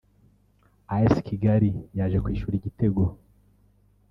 As Kigali yaje kwishyura igitego